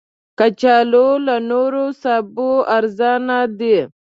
کچالو له نورو سبو ارزانه دي